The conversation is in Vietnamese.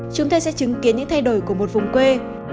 chúng tôi sẽ chứng kiến những thay đổi của một vùng quê